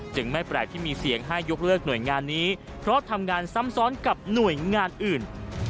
ไม่แปลกที่มีเสียงให้ยกเลิกหน่วยงานนี้เพราะทำงานซ้ำซ้อนกับหน่วยงานอื่น